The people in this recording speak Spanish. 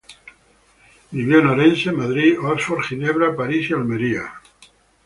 Vivió en Orense, Madrid, Oxford, Ginebra, París y Almería.